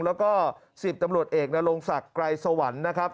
แล้วก็สิบตำรวจเอกนาลงศักรายสวรรค์นะครับ